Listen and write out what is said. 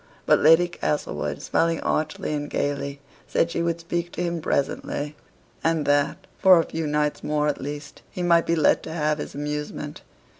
But Lady Castlewood, smiling archly and gayly, said she would speak to him presently, and that, for a few nights more at least, he might be let to have his amusement.